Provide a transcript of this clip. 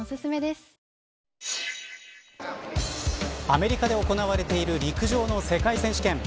アメリカで行われている陸上の世界選手権。